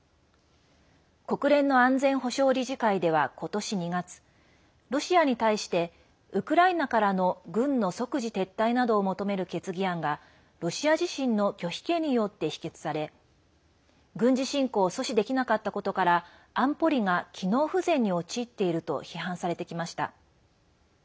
国連の安全保障理事会ではことし２月ロシアに対してウクライナからの軍の即時撤退などを求める決議案がロシア自身の拒否権によって否決され軍事侵攻を阻止できなかったことから安保理が機能不全に陥っていると批判されてきました。